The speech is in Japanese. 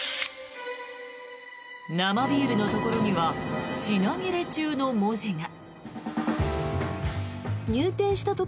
生ビールのところには品切れ中の文字が。